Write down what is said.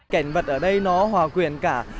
cảnh vật ở đây nó hòa quyền cả